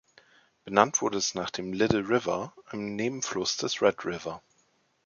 Benannt wurde es nach dem Little River, einem Nebenfluss des Red River.